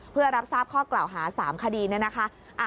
เพื่อรับทราบข้อกล่าวหา๓คดีเนี่ยนะคะ